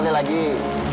terima kasih ya